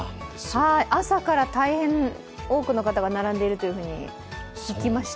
朝から大変多くの方が並んでいると聞きました。